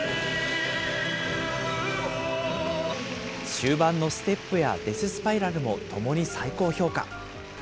終盤のステップやデススパイラルもともに最高評価。